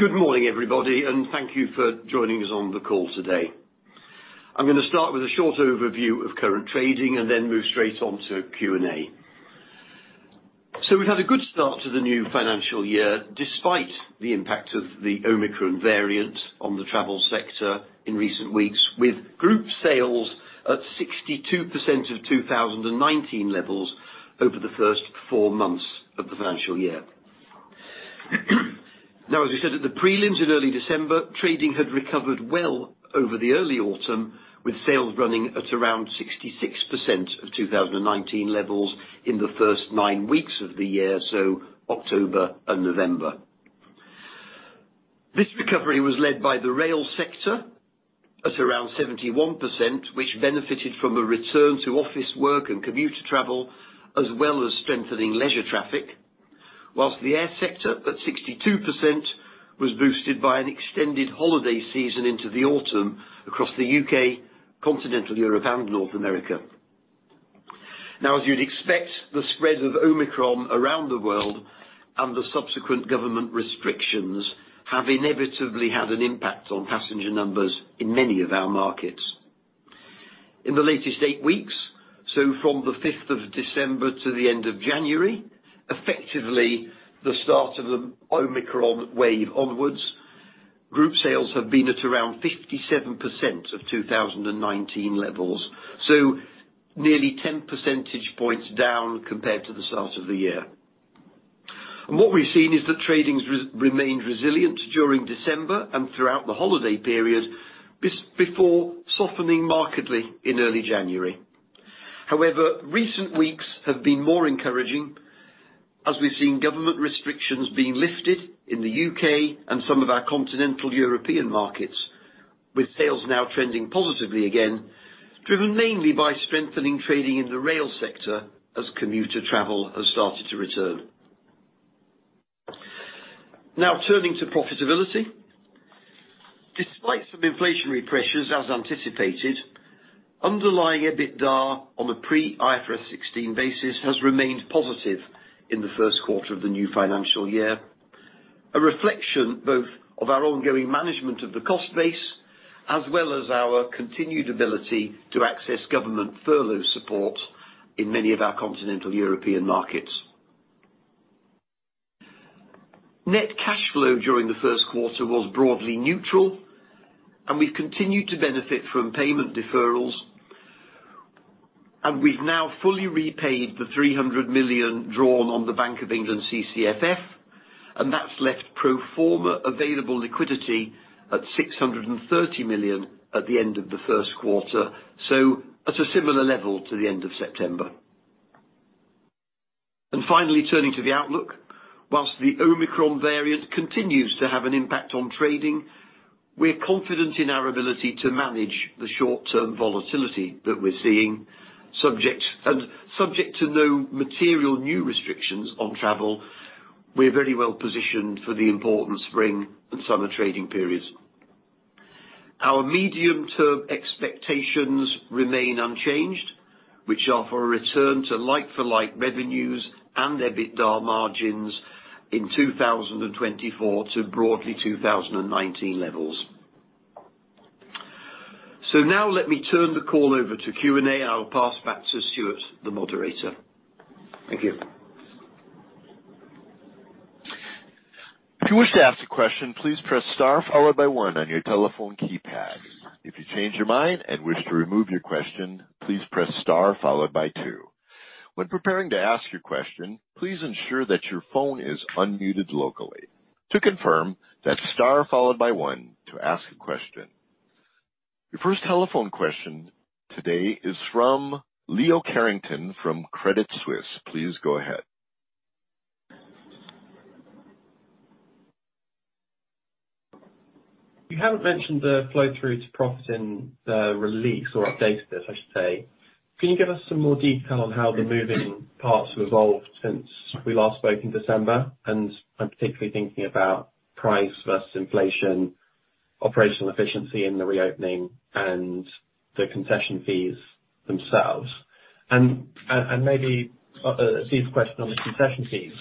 Good morning, everybody, and thank you for joining us on the call today. I'm gonna start with a short overview of current trading and then move straight on to Q&A. We've had a good start to the new financial year despite the impact of the Omicron variant on the travel sector in recent weeks, with group sales at 62% of 2019 levels over the first four months of the financial year. Now, as we said at the prelims in early December, trading had recovered well over the early autumn, with sales running at around 66% of 2019 levels in the first nine weeks of the year, so October and November. This recovery was led by the rail sector at around 71%, which benefited from a return to office work and commuter travel, as well as strengthening leisure traffic. While the air sector, at 62%, was boosted by an extended holiday season into the autumn across the U.K., Continental Europe, and North America. Now, as you'd expect, the spread of Omicron around the world and the subsequent government restrictions have inevitably had an impact on passenger numbers in many of our markets. In the latest eight weeks, so from the fifth of December to the end of January, effectively the start of the Omicron wave onwards, group sales have been at around 57% of 2019 levels. Nearly 10 percentage points down compared to the start of the year. What we've seen is that trading's remained resilient during December and throughout the holiday period, before softening markedly in early January. However, recent weeks have been more encouraging as we've seen government restrictions being lifted in the U.K. and some of our Continental European markets, with sales now trending positively again, driven mainly by strengthening trading in the rail sector as commuter travel has started to return. Now turning to profitability. Despite some inflationary pressures, as anticipated, underlying EBITDA on the pre-IFRS 16 basis has remained positive in the first quarter of the new financial year. A reflection both of our ongoing management of the cost base as well as our continued ability to access government furlough support in many of our Continental European markets. Net cash flow during the first quarter was broadly neutral, and we've continued to benefit from payment deferrals, and we've now fully repaid the 300 million drawn on the Bank of England CCFF, and that's left pro forma available liquidity at 630 million at the end of the first quarter, so at a similar level to the end of September. Finally turning to the outlook. While the Omicron variant continues to have an impact on trading, we're confident in our ability to manage the short-term volatility that we're seeing. Subject to no material new restrictions on travel, we're very well positioned for the important spring and summer trading periods. Our medium-term expectations remain unchanged, which are for a return to like-for-like revenues and EBITDA margins in 2024 to broadly 2019 levels. Now let me turn the call over to Q&A. I'll pass back to Stuart, the moderator. Thank you. If you wish to ask a question, please press star followed by 1 on your telephone keypad. If you change your mind and wish to remove your question, please press star followed by two. When preparing to ask your question, please ensure that your phone is unmuted locally. To confirm, that's star followed by one to ask a question. Your first telephone question today is from Leo Carrington from Credit Suisse. Please go ahead. You haven't mentioned the flow through to profit in the release or update, I should say. Can you give us some more detail on how the moving parts have evolved since we last spoke in December? I'm particularly thinking about price versus inflation, operational efficiency in the reopening, and the concession fees themselves. Maybe a brief question on the concession fees.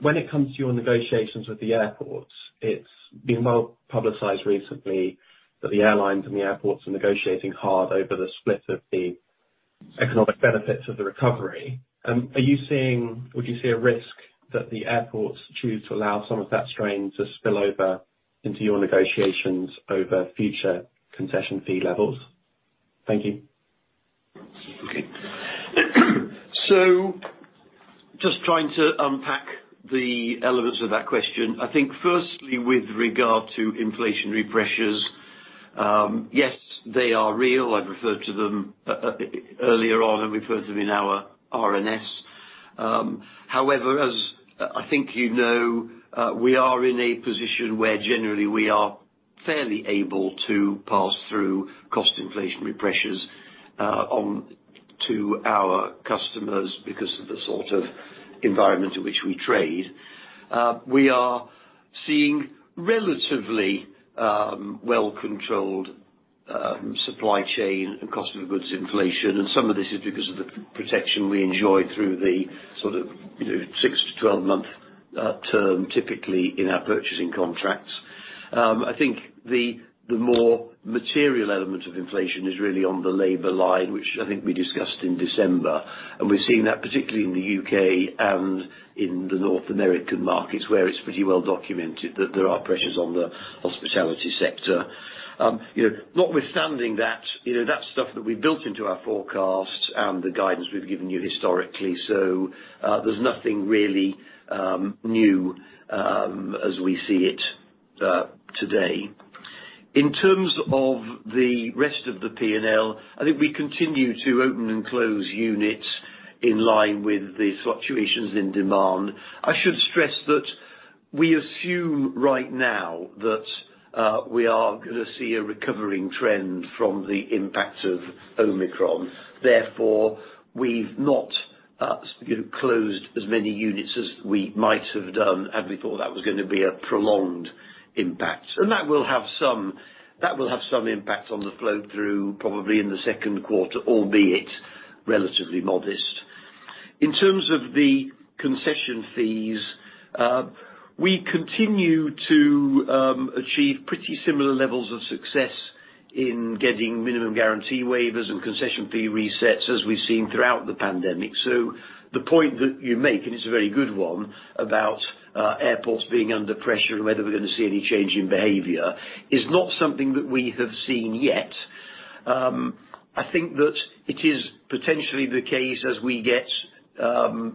When it comes to your negotiations with the airports, it's been well-publicized recently that the airlines and the airports are negotiating hard over the split of the economic benefits of the recovery. Would you see a risk that the airports choose to allow some of that strain to spill over into your negotiations over future concession fee levels? Thank you. Okay. Just trying to unpack the elements of that question. I think firstly with regard to inflationary pressures, yes, they are real. I've referred to them earlier on, and we've referred to them in our RNS. However, as I think you know, we are in a position where generally we are fairly able to pass through cost inflationary pressures on to our customers because of the sort of environment in which we trade. We are seeing relatively well-controlled supply chain and cost of goods inflation, and some of this is because of the protection we enjoy through the sort of, you know, six- 12 month term typically in our purchasing contracts. I think the more material element of inflation is really on the labor line, which I think we discussed in December, and we've seen that particularly in the U.K. and in the North American markets, where it's pretty well documented that there are pressures on the hospitality sector. You know, notwithstanding that, you know, that's stuff that we've built into our forecast and the guidance we've given you historically. There's nothing really new, as we see it, today. In terms of the rest of the P&L, I think we continue to open and close units in line with the fluctuations in demand. I should stress that we assume right now that we are gonna see a recovering trend from the impact of Omicron. Therefore, we've not, you know, closed as many units as we might have done had we thought that was gonna be a prolonged impact. That will have some impact on the flow through probably in the second quarter, albeit relatively modest. In terms of the concession fees, we continue to achieve pretty similar levels of success in getting minimum guarantee waivers and concession fee resets as we've seen throughout the pandemic. The point that you make, and it's a very good one, about airports being under pressure and whether we're gonna see any change in behavior, is not something that we have seen yet. I think that it is potentially the case as we get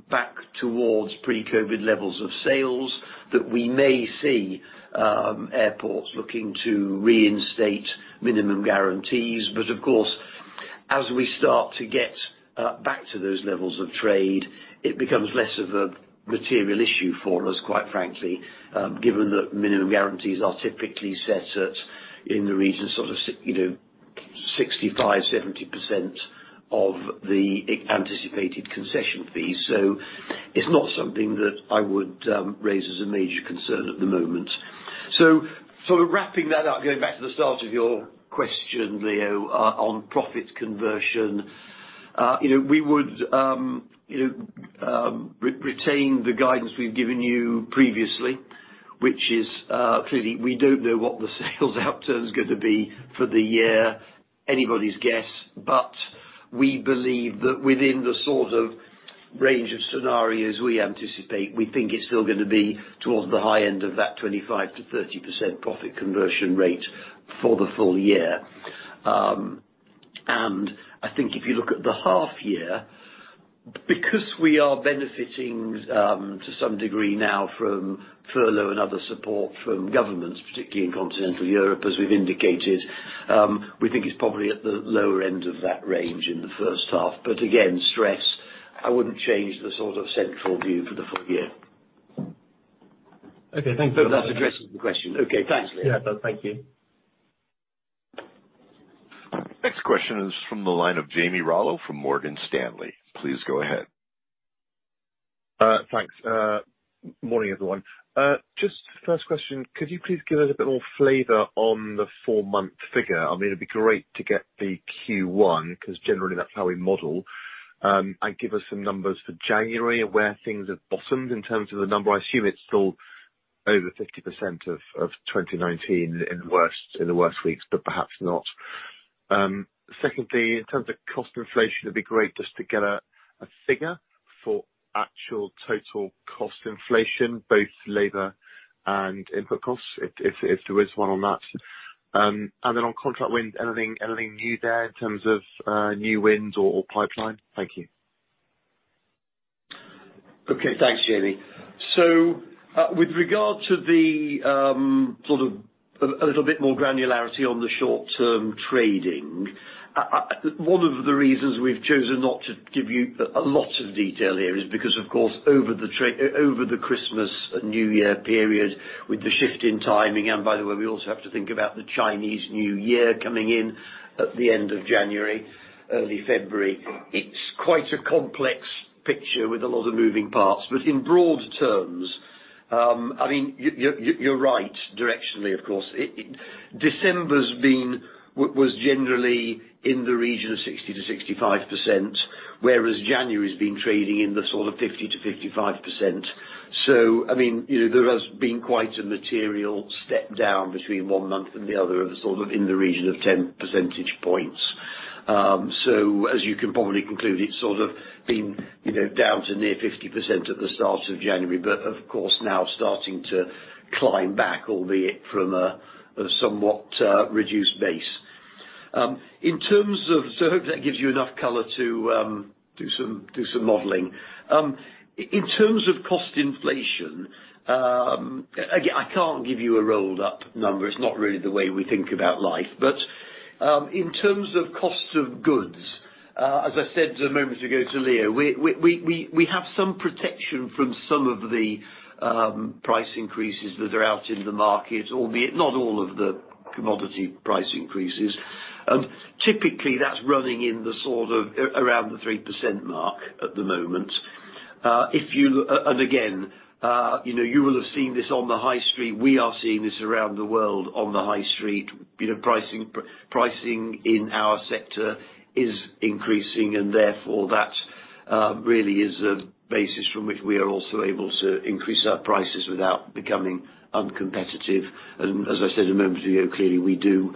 back towards pre-COVID levels of sales that we may see airports looking to reinstate minimum guarantees. Of course, as we start to get back to those levels of trade, it becomes less of a material issue for us, quite frankly, given that minimum guarantees are typically set at, in the region, sort of 65%-70% of the anticipated concession fees. It's not something that I would raise as a major concern at the moment. Sort of wrapping that up, going back to the start of your question, Leo, on profit conversion. We would retain the guidance we've given you previously, which is clearly we don't know what the sales outturn's gonna be for the year. Anybody's guess. We believe that within the sort of range of scenarios we anticipate, we think it's still gonna be towards the high end of that 25%-30% profit conversion rate for the full-year. I think if you look at the half year, because we are benefiting, to some degree now from furlough and other support from governments, particularly in continental Europe, as we've indicated, we think it's probably at the lower end of that range in the first half. Again, I stress, I wouldn't change the sort of central view for the full-year. Okay. Thanks for that. Hope that addresses the question. Okay. Thanks, Leo. Yeah, it does. Thank you. Next question is from the line of Jamie Rollo from Morgan Stanley. Please go ahead. Thanks. Morning, everyone. Just first question, could you please give us a bit more flavor on the four-month figure? I mean, it'd be great to get the Q1, 'cause generally that's how we model. Give us some numbers for January and where things have bottomed in terms of the number. I assume it's still over 50% of 2019 in the worst weeks, but perhaps not. Secondly, in terms of cost inflation, it'd be great just to get a figure for actual total cost inflation, both labor and input costs, if there is one on that. On contract wins, anything new there in terms of new wins or pipeline? Thank you. Okay. Thanks, Jamie. With regard to the sort of a little bit more granularity on the short-term trading, one of the reasons we've chosen not to give you a lot of detail here is because, of course, over the Christmas and New Year period, with the shift in timing, and by the way, we also have to think about the Chinese New Year coming in at the end of January, early February, it's quite a complex picture with a lot of moving parts. In broad terms, I mean, you're right, directionally, of course. December was generally in the region of 60%-65%, whereas January's been trading in the sort of 50%-55%. I mean, you know, there has been quite a material step down between one month and the other of sort of in the region of 10 percentage points. As you can probably conclude, it's sort of been down to near 50% at the start of January, but of course, now starting to climb back, albeit from a somewhat reduced base. I hope that gives you enough color to do some modeling. In terms of cost inflation, again, I can't give you a rolled-up number. It's not really the way we think about life. In terms of cost of goods, as I said a moment ago to Leo, we have some protection from some of the price increases that are out in the market, albeit not all of the commodity price increases. Typically, that's running in the sort of around the 3% mark at the moment. If you and again, you know, you will have seen this on the High Street, we are seeing this around the world on the High Street. You know, pricing in our sector is increasing and therefore that really is the basis from which we are also able to increase our prices without becoming uncompetitive. As I said a moment ago, clearly, we do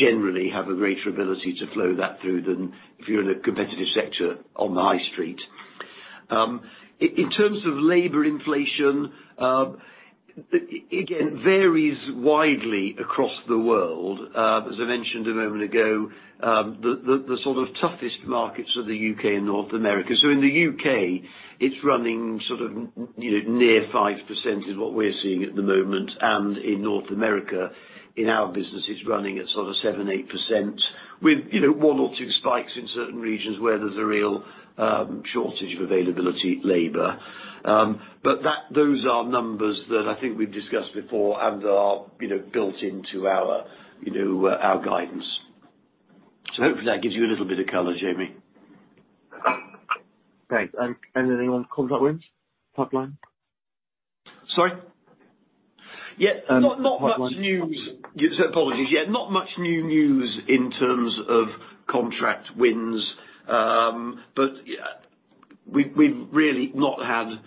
generally have a greater ability to flow that through than if you're in a competitive sector on the high street. In terms of labor inflation, that again varies widely across the world. As I mentioned a moment ago, the sort of toughest markets are the U.K. and North America. In the U.K., it's running sort of near 5% is what we're seeing at the moment. In North America, in our business, it's running at sort of 7-8% with, you know, one or two spikes in certain regions where there's a real shortage of available labor. Those are numbers that I think we've discussed before and are, you know, built into our, you know, our guidance. Hopefully that gives you a little bit of color, Jamie. Great. Any new contract wins, pipeline? Sorry? Yeah. Not much new- Pipeline. Yes. Apologies. Yeah, not much new news in terms of contract wins. Yeah, we've really not had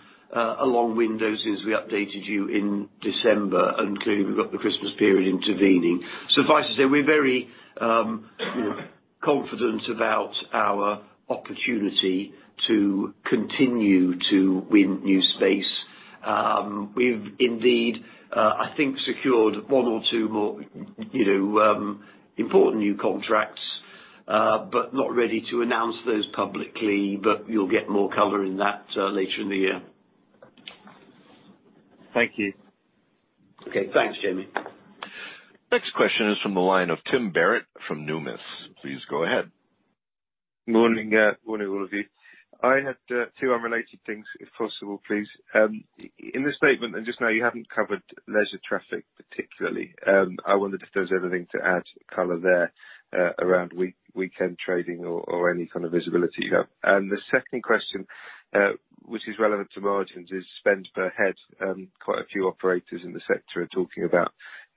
a long window since we updated you in December, and clearly we've got the Christmas period intervening. Suffice it to say, we're very confident about our opportunity to continue to win new space. We've indeed, I think secured one or two more, you know, important new contracts, but not ready to announce those publicly, but you'll get more color in that later in the year. Thank you. Okay. Thanks, Jamie. Next question is from the line of Tim Barrett from Numis. Please go ahead. Morning. Morning, all of you. I had two unrelated things, if possible, please. In the statement and just now you haven't covered leisure traffic particularly. I wondered if there's anything to add color there, around weekend trading or any kind of visibility. Yeah. The second question, which is relevant to margins, is spend per head. Quite a few operators in the sector are talking about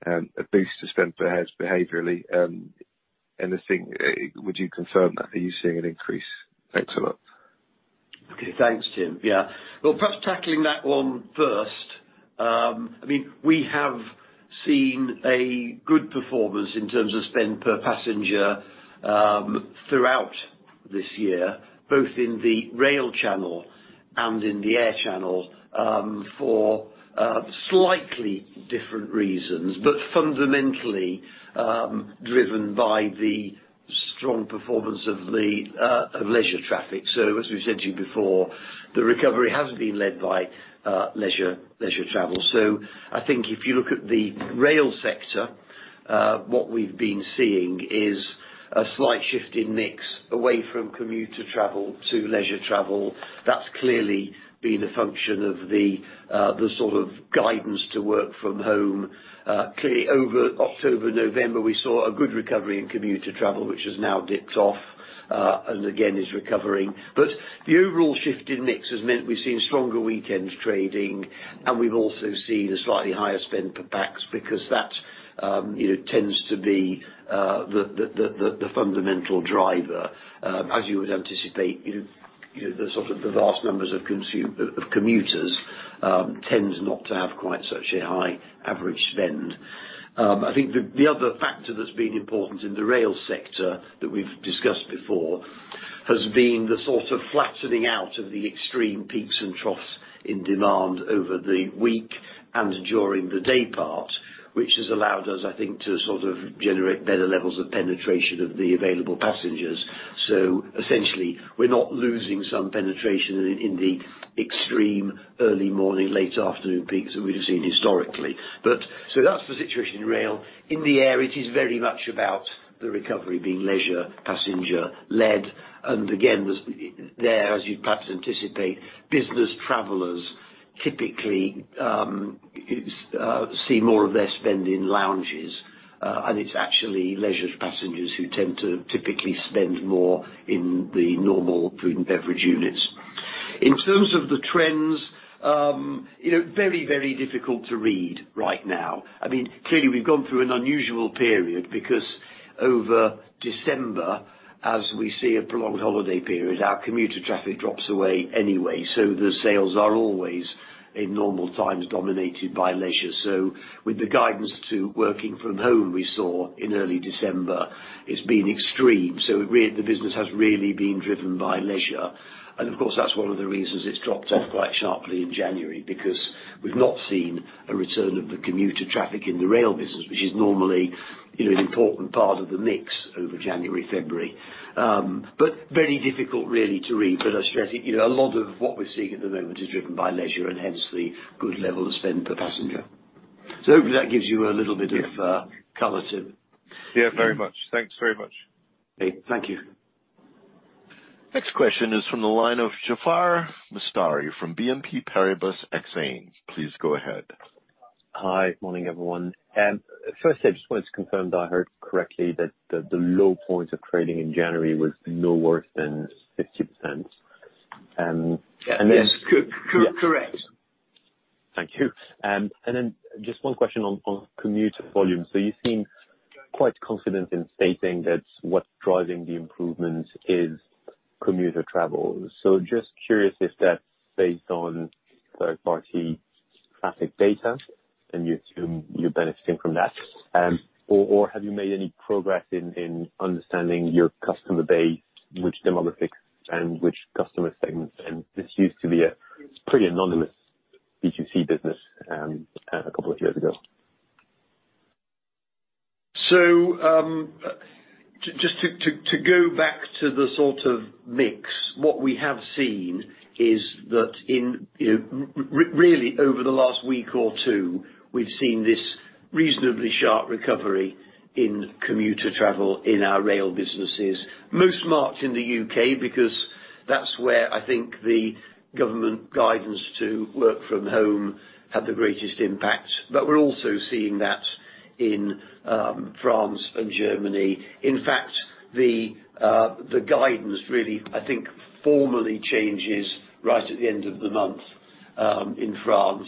a boost to spend per heads behaviorally. Anything, would you confirm that? Are you seeing an increase? Thanks a lot. Okay. Thanks, Tim. Yeah. Well, perhaps tackling that one first. I mean, we have seen a good performance in terms of spend per passenger throughout this year, both in the rail channel and in the air channel, for slightly different reasons, but fundamentally driven by the strong performance of the leisure traffic. As we've said to you before, the recovery has been led by leisure travel. I think if you look at the rail sector, what we've been seeing is a slight shift in mix away from commuter travel to leisure travel. That's clearly been a function of the sort of guidance to work from home. Clearly over October, November, we saw a good recovery in commuter travel, which has now dipped off and again is recovering. The overall shift in mix has meant we've seen stronger weekends trading, and we've also seen a slightly higher spend per pax because that, you know, the sort of the vast numbers of commuters tends not to have quite such a high average spend. I think the other factor that's been important in the rail sector that we've discussed before has been the sort of flattening out of the extreme peaks and troughs in demand over the week and during the day part, which has allowed us, I think, to sort of generate better levels of penetration of the available passengers. Essentially, we're not losing some penetration in the extreme early morning, late afternoon peaks that we'd have seen historically. That's the situation in rail. In the air, it is very much about the recovery being leisure passenger led. Again, there's as you'd perhaps anticipate, business travelers typically see more of their spend in lounges. It's actually leisure passengers who tend to typically spend more in the normal food and beverage units. In terms of the trends, you know, very, very difficult to read right now. I mean, clearly we've gone through an unusual period because over December, as we see a prolonged holiday period, our commuter traffic drops away anyway. The sales are always in normal times dominated by leisure. With the guidance to working from home we saw in early December, it's been extreme. Really the business has really been driven by leisure. Of course, that's one of the reasons it's dropped off quite sharply in January because we've not seen a return of the commuter traffic in the rail business, which is normally, you know, an important part of the mix over January, February. Very difficult really to read. As Jessy, you know, a lot of what we're seeing at the moment is driven by leisure and hence the good level of spend per passenger. Hopefully that gives you a little bit of color, Tim. Yeah, very much. Thanks very much. Okay. Thank you. Next question is from the line of Jaafar Mestari from BNP Paribas Exane. Please go ahead. Hi. Morning, everyone. Firstly, I just wanted to confirm that I heard correctly that the low point of trading in January was no worse than 50%. Yes. Correct. Thank you. Just one question on commuter volume. You seem quite confident in stating that what's driving the improvements is commuter travel. Just curious if that's based on third-party traffic data, and you assume you're benefiting from that? Or have you made any progress in understanding your customer base, which demographics and which customer segments? This used to be a pretty anonymous B2C business, a couple of years ago. Just to go back to the sort of mix, what we have seen is that in, you know, really over the last week or two, we've seen this reasonably sharp recovery in commuter travel in our rail businesses. Most marked in the U.K. because that's where I think the government guidance to work from home had the greatest impact. We're also seeing that in France and Germany. In fact, the guidance really, I think, formally changes right at the end of the month in France.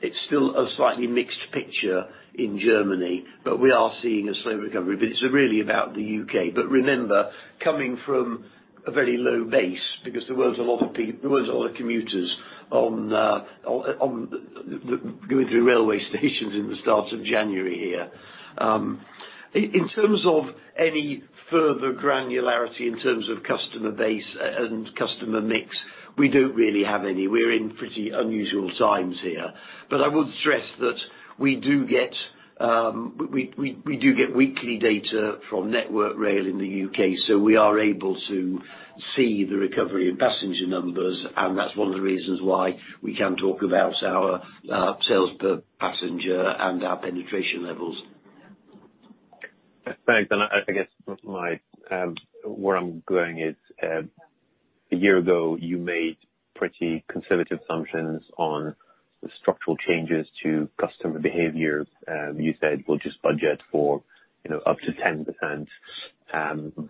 It's still a slightly mixed picture in Germany, but we are seeing a slow recovery, but it's really about the U.K. Remember, coming from a very low base because there wasn't a lot of commuters going through railway stations at the start of January here. In terms of any further granularity in terms of customer base and customer mix, we don't really have any. We're in pretty unusual times here. I would stress that we do get weekly data from Network Rail in the U.K., so we are able to see the recovery in passenger numbers, and that's one of the reasons why we can talk about our sales per passenger and our penetration levels. I guess where I'm going is a year ago, you made pretty conservative assumptions on the structural changes to customer behavior. You said we'll just budget for, you know, up to 10%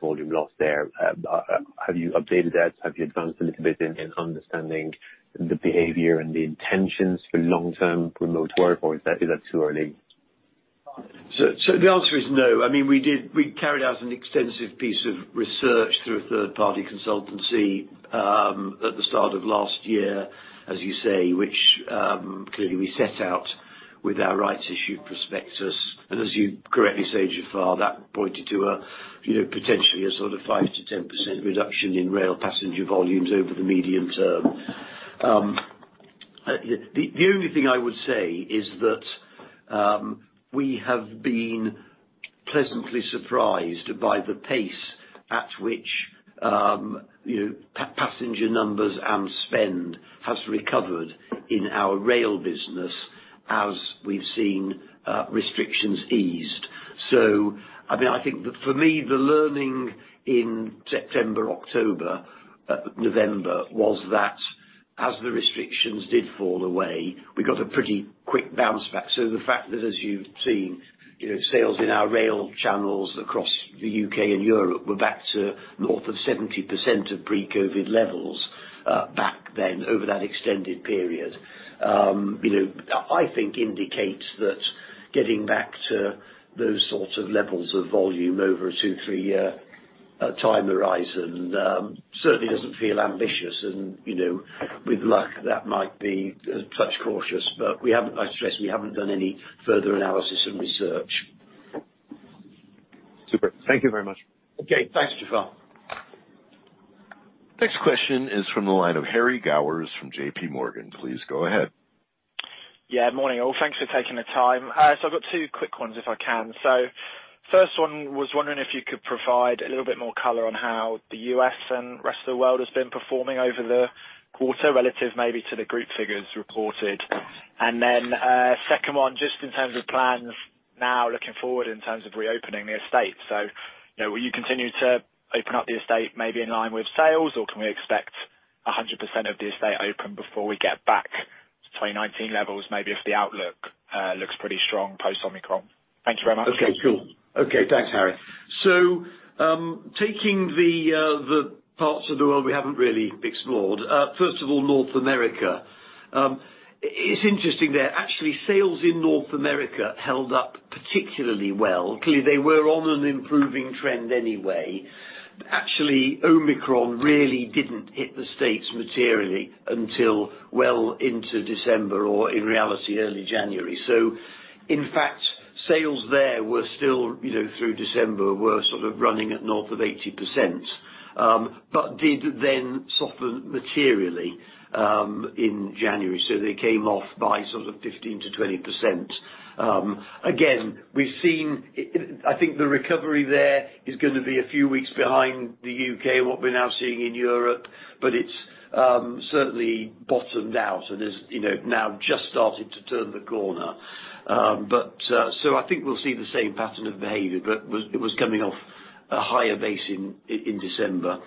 volume loss there. Have you updated that? Have you advanced a little bit in understanding the behavior and the intentions for long-term remote work, or is that too early? The answer is no. I mean, we carried out an extensive piece of research through a third-party consultancy at the start of last year, as you say, which clearly we set out with our rights issue prospectus. As you correctly say, Jaafar, that pointed to a potentially a sort of 5%-10% reduction in rail passenger volumes over the medium term. The only thing I would say is that we have been pleasantly surprised by the pace at which passenger numbers and spend has recovered in our rail business as we've seen restrictions eased. I mean, I think that for me, the learning in September, October, November was that as the restrictions did fall away, we got a pretty quick bounce back. The fact that as you've seen, you know, sales in our rail channels across the U.K. and Europe were back to north of 70% of pre-COVID levels back then over that extended period. You know, I think that indicates that getting back to those sorts of levels of volume over a two- to three-year time horizon certainly doesn't feel ambitious. You know, with luck, that might be a touch cautious, but we haven't, I stress, done any further analysis and research. Super. Thank you very much. Okay. Thanks, Jaafar. Next question is from the line of Harry Gowers from JP Morgan. Please go ahead. Yeah. Morning, all. Thanks for taking the time. I've got two quick ones if I can. First one, was wondering if you could provide a little bit more color on how the U.S. and rest of the world has been performing over the quarter relative maybe to the group figures reported. Second one, just in terms of plans now looking forward in terms of reopening the estate. You know, will you continue to open up the estate maybe in line with sales, or can we expect 100% of the estate open before we get back to 2019 levels, maybe if the outlook looks pretty strong post-Omicron? Thank you very much. Okay, sure. Okay, thanks, Harry. Taking the parts of the world we haven't really explored. First of all, North America. It's interesting there. Actually, sales in North America held up particularly well. Clearly, they were on an improving trend anyway. Actually, Omicron really didn't hit the States materially until well into December or in reality, early January. In fact, sales there were still, you know, through December, were sort of running at north of 80%, but did then soften materially, in January. They came off by sort of 15%-20%. Again, we've seen, I think the recovery there is gonna be a few weeks behind the U.K., what we're now seeing in Europe, but it's certainly bottomed out and is, you know, now just started to turn the corner. I think we'll see the same pattern of behavior, but it was coming off a higher base in December.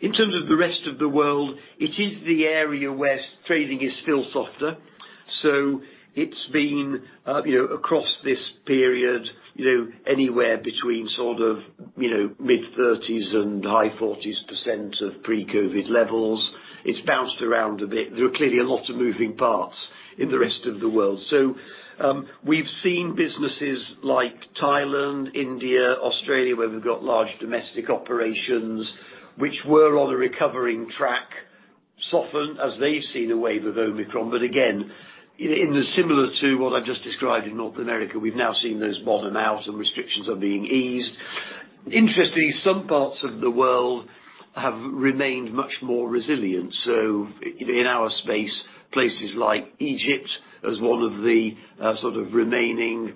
In terms of the rest of the world, it is the area where trading is still softer. It's been, you know, across this period, you know, anywhere between sort of, you know, mid-30s and high 40s% of pre-COVID levels. It's bounced around a bit. There are clearly a lot of moving parts in the rest of the world. We've seen businesses like Thailand, India, Australia, where we've got large domestic operations, which were on a recovering track, soften as they've seen a wave of Omicron. Again, in a similar to what I just described in North America, we've now seen those bottom out and restrictions are being eased. Interestingly, some parts of the world have remained much more resilient. In our space, places like Egypt as one of the sort of remaining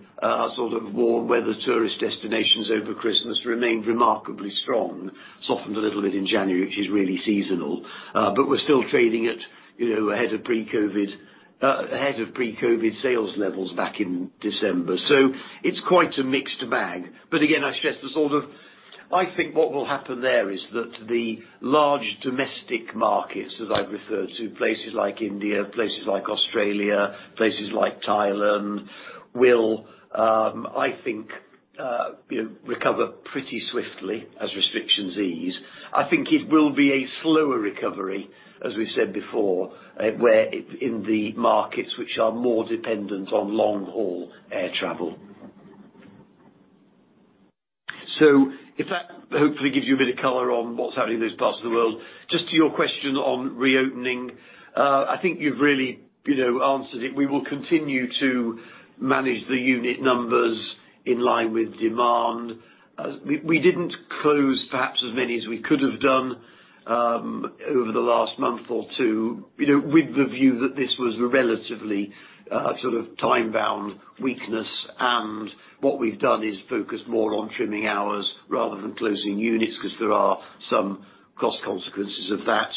sort of warm weather tourist destinations over Christmas remained remarkably strong. Softened a little bit in January, which is really seasonal. We're still trading at, you know, ahead of pre-COVID ahead of pre-COVID sales levels back in December. It's quite a mixed bag. Again, I stress the sort of I think what will happen there is that the large domestic markets, as I've referred to, places like India, places like Australia, places like Thailand will I think you know recover pretty swiftly as restrictions ease. I think it will be a slower recovery, as we said before where in the markets which are more dependent on long-haul air travel. If that hopefully gives you a bit of color on what's happening in those parts of the world. Just to your question on reopening, I think you've really, you know, answered it. We will continue to manage the unit numbers in line with demand. We didn't close perhaps as many as we could have done over the last month or two, you know, with the view that this was a relatively sort of time-bound weakness. What we've done is focus more on trimming hours rather than closing units, 'cause there are some cost consequences of that.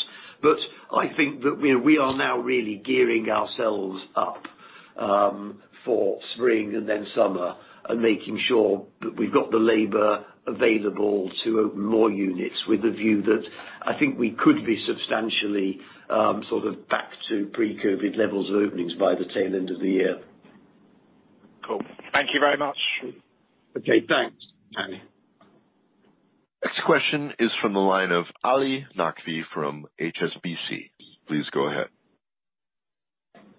I think that, you know, we are now really gearing ourselves up for spring and then summer, and making sure that we've got the labor available to open more units with a view that I think we could be substantially sort of back to pre-COVID levels of openings by the tail end of the year. Cool. Thank you very much. Okay, thanks, Hay. Next question is from the line of Ali Naqvi from HSBC. Please go ahead.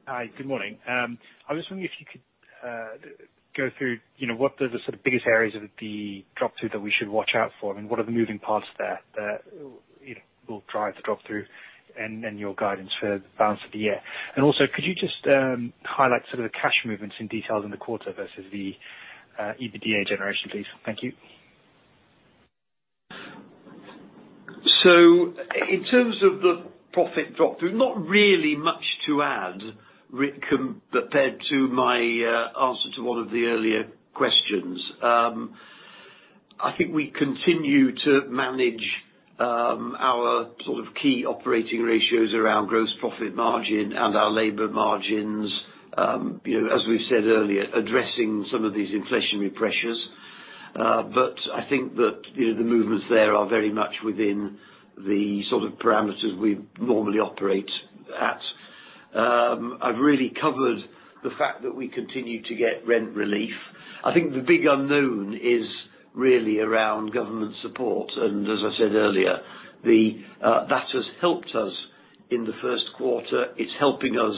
Hi, good morning. I was wondering if you could go through, you know, what the sort of biggest areas of the drop-through that we should watch out for, and what are the moving parts there that, you know, will drive the drop-through and your guidance for the balance of the year. Also, could you just highlight some of the cash movements in detail in the quarter versus the EBITDA generation, please? Thank you. In terms of the profit drop-through, not really much to add compared to my answer to one of the earlier questions. I think we continue to manage our sort of key operating ratios around gross profit margin and our labor margins, you know, as we said earlier, addressing some of these inflationary pressures. I think that, you know, the movements there are very much within the sort of parameters we normally operate at. I've really covered the fact that we continue to get rent relief. I think the big unknown is really around government support, and as I said earlier, that has helped us in the first quarter. It's helping us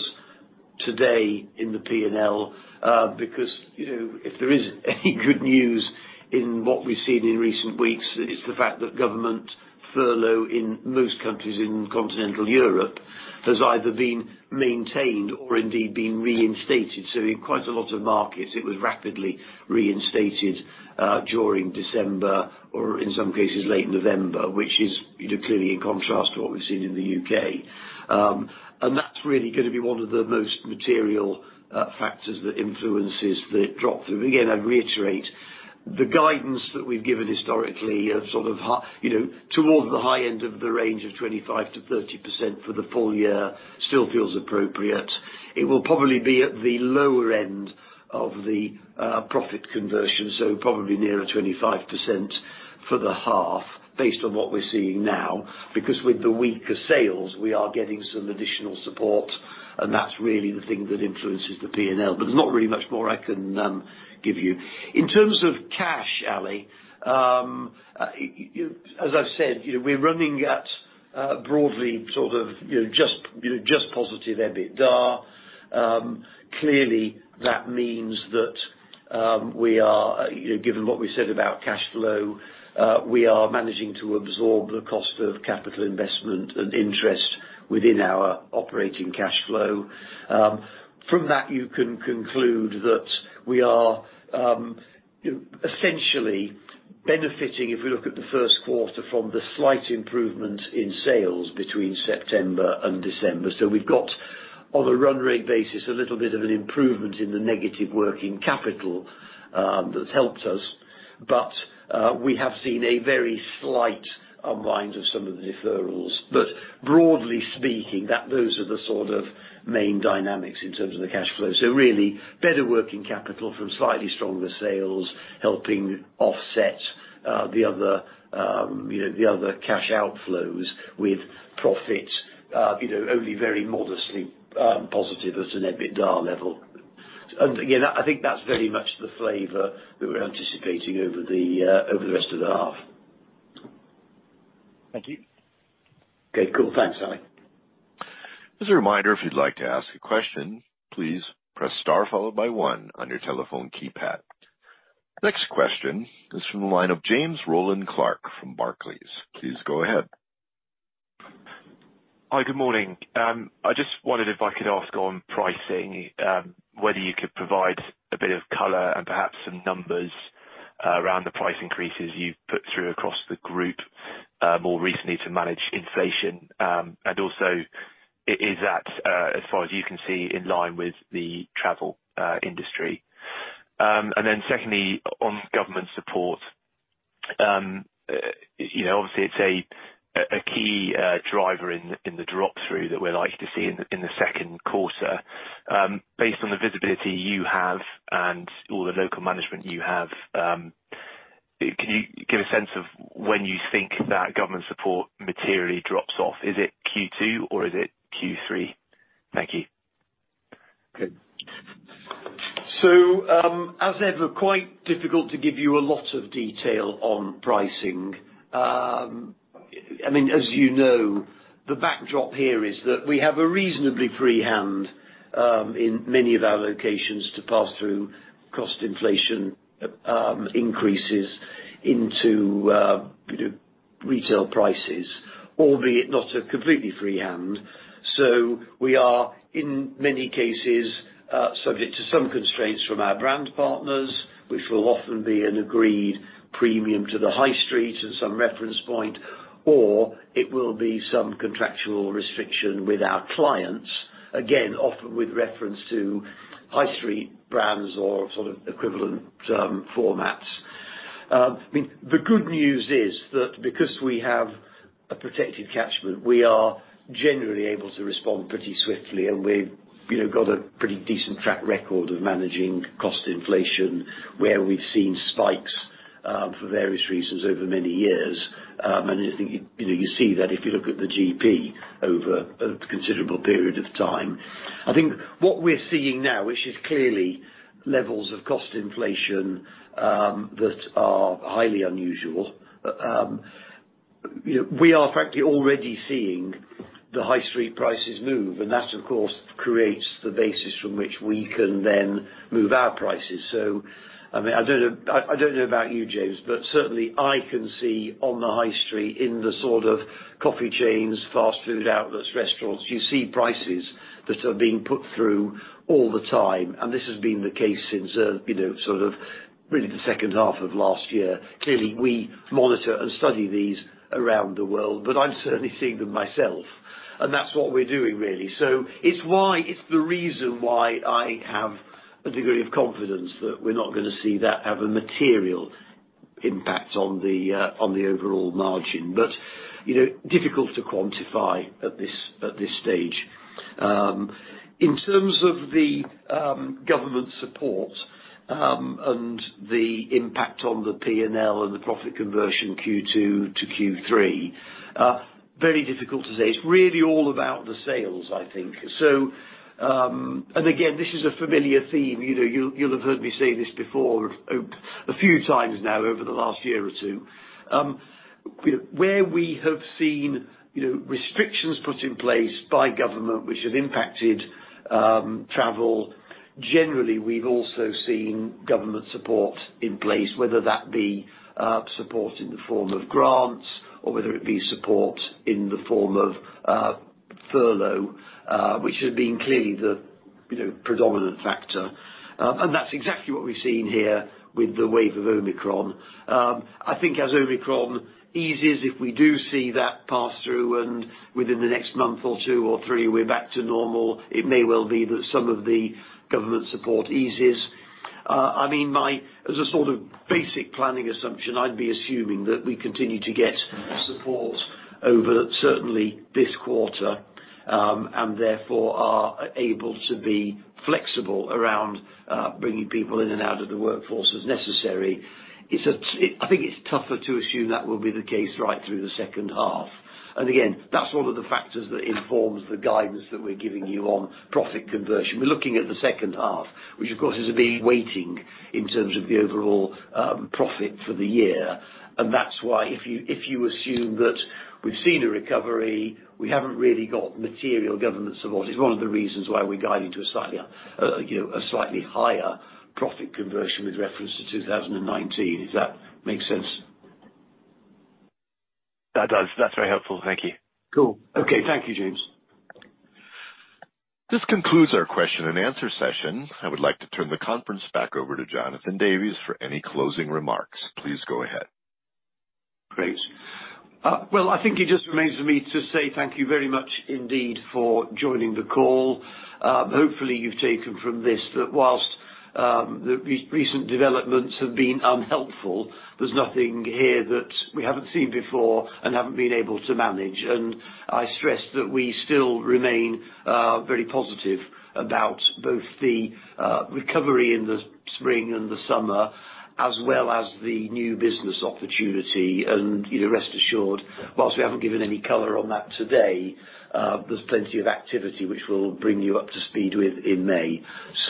today in the P&L, because, you know, if there is any good news in what we've seen in recent weeks, it's the fact that government furlough in most countries in continental Europe has either been maintained or indeed been reinstated. In quite a lot of markets, it was rapidly reinstated during December or in some cases late November, which is, you know, clearly in contrast to what we've seen in the U.K. That's really gonna be one of the most material factors that influences the drop through. Again, I reiterate, the guidance that we've given historically of sort of, you know, towards the high end of the range of 25%-30% for the full-year, still feels appropriate. It will probably be at the lower end of the profit conversion, so probably nearer 25% for the half based on what we're seeing now. Because with the weaker sales, we are getting some additional support, and that's really the thing that influences the P&L. But there's not really much more I can give you. In terms of cash, Ali, as I've said, you know, we're running at broadly, sort of, you know, just positive EBITDA. Clearly that means that we are, you know, given what we said about cash flow, we are managing to absorb the cost of capital investment and interest within our operating cash flow. From that you can conclude that we are essentially benefiting, if we look at the first quarter, from the slight improvement in sales between September and December. We've got, on a run rate basis, a little bit of an improvement in the negative working capital, that's helped us. We have seen a very slight unwind of some of the deferrals. Broadly speaking, those are the sort of main dynamics in terms of the cash flow. Really better working capital from slightly stronger sales, helping offset the other, you know, cash outflows with profit. You know, only very modestly positive at an EBITDA level. Again, I think that's very much the flavor that we're anticipating over the rest of the half. Thank you. Okay, cool. Thanks, Ali Naqvi. As a reminder, if you'd like to ask a question, please press star followed by one on your telephone keypad. Next question is from the line of James Rowland Clark from Barclays. Please go ahead. Hi, good morning. I just wondered if I could ask on pricing, whether you could provide a bit of color and perhaps some numbers around the price increases you've put through across the group more recently to manage inflation. Is that, as far as you can see, in line with the travel industry? Secondly, on government support, you know, obviously it's a key driver in the drop-through that we're likely to see in the second quarter. Based on the visibility you have and all the local management you have, can you give a sense of when you think that government support materially drops off? Is it Q2 or is it Q3? Thank you. Okay. As ever, quite difficult to give you a lot of detail on pricing. I mean, as you know, the backdrop here is that we have a reasonably free hand, in many of our locations to pass through cost inflation, increases into, you know, retail prices, albeit not a completely free hand. We are, in many cases, subject to some constraints from our brand partners, which will often be an agreed premium to the high street and some reference point, or it will be some contractual restriction with our clients, again, often with reference to high street brands or sort of equivalent, formats. The good news is that because we have a protected catchment, we are generally able to respond pretty swiftly, and we've, you know, got a pretty decent track record of managing cost inflation where we've seen spikes, for various reasons over many years. I think, you know, you see that if you look at the GP over a considerable period of time. I think what we're seeing now, which is clearly levels of cost inflation, that are highly unusual. You know, we are frankly already seeing the high street prices move, and that of course, creates the basis from which we can then move our prices. I mean, I don't know about you, James, but certainly I can see on the high street in the sort of coffee chains, fast food outlets, restaurants, you see prices that are being put through all the time, and this has been the case since, you know, sort of really the second half of last year. Clearly, we monitor and study these around the world, but I'm certainly seeing them myself, and that's what we're doing really. It's why, it's the reason why I have a degree of confidence that we're not gonna see that have a material impact on the, on the overall margin. You know, difficult to quantify at this stage. In terms of the government support, and the impact on the P&L and the profit conversion Q2-Q3 are very difficult to say. It's really all about the sales, I think. Again, this is a familiar theme. You know, you'll have heard me say this before a few times now over the last year or two. Where we have seen, you know, restrictions put in place by government which have impacted travel, generally, we've also seen government support in place, whether that be support in the form of grants or whether it be support in the form of furlough, which has been clearly the predominant factor. That's exactly what we've seen here with the wave of Omicron. I think as Omicron eases, if we do see that pass through and within the next month or two or three, we're back to normal, it may well be that some of the government support eases. I mean, as a sort of basic planning assumption, I'd be assuming that we continue to get support over certainly this quarter, and therefore are able to be flexible around bringing people in and out of the workforce as necessary. I think it's tougher to assume that will be the case right through the second half. Again, that's one of the factors that informs the guidance that we're giving you on profit conversion. We're looking at the second half, which of course is a big weighting in terms of the overall profit for the year. That's why if you assume that we've seen a recovery, we haven't really got material government support. It's one of the reasons why we guided to a slightly higher profit conversion with reference to 2019. Does that make sense? That does. That's very helpful. Thank you. Cool. Okay, thank you, James. This concludes our question-and-answer session. I would like to turn the conference back over to Jonathan Davies for any closing remarks. Please go ahead. Great. Well, I think it just remains for me to say thank you very much indeed for joining the call. Hopefully, you've taken from this that whilst the recent developments have been unhelpful, there's nothing here that we haven't seen before and haven't been able to manage. I stress that we still remain very positive about both the recovery in the spring and the summer, as well as the new business opportunity. You know, rest assured, whilst we haven't given any color on that today, there's plenty of activity which we'll bring you up to speed with in May.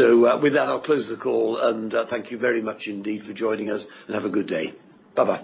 With that, I'll close the call and thank you very much indeed for joining us, and have a good day. Bye-bye.